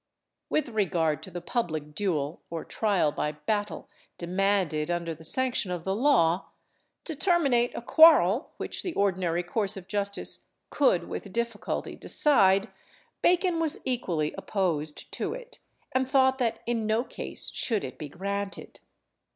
With regard to the public duel, or trial by battle, demanded under the sanction of the law, to terminate a quarrel which the ordinary course of justice could with difficulty decide, Bacon was equally opposed to it, and thought that in no case should it be granted.